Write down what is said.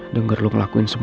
tengok nggak ya